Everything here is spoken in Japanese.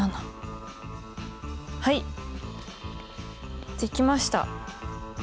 はいできました。